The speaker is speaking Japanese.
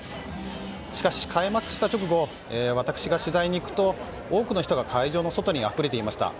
しかし、開幕した直後私が取材に行くと多くの人が会場の外にあふれていました。